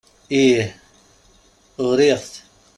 Ih, uriɣ-t.